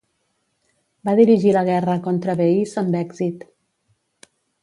Va dirigir la guerra contra Veïs amb èxit.